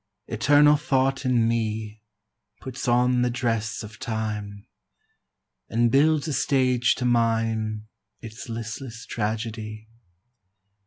Eternal thought in me Puts on the dress of time And builds a stage to mime Its listless tragedy.